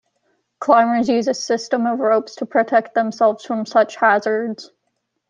Climbers use a system of ropes to protect themselves from such hazards.